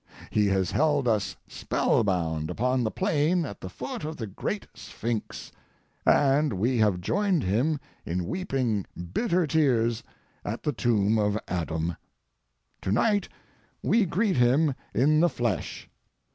He has held us spellbound upon the plain at the foot of the great Sphinx, and we have joined him in weeping bitter tears at the tomb of Adam. To night we greet him in the flesh.